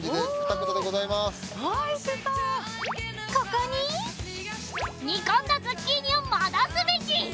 ここに煮込んだズッキーニを戻すベジ